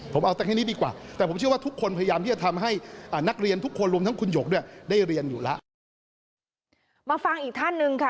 ผมเอาแรกเท่านี้ดีกว่า